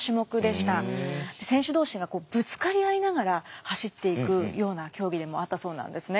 選手同士がぶつかり合いながら走っていくような競技でもあったそうなんですね。